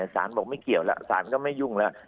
สารบอกไม่เกี่ยวแล้วสารก็ไม่ยุ่งแล้ว